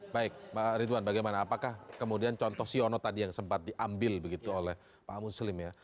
baik pak ridwan bagaimana apakah kemudian contoh siono tadi yang sempat diambil begitu oleh pak muslim ya